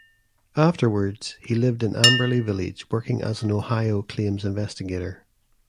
Afterwards he lived in Amberley village working as an Ohio claims investigator.